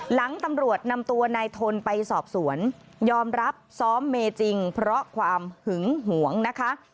หลังตำรวจนำตัวนายทนไปสอบสวนยอมรับซ้อมเมย์จริงเพราะความหึงหวงนะคะ